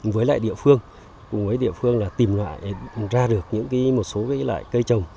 với lại địa phương cùng với địa phương là tìm lại ra được những cái một số cái loại cây trồng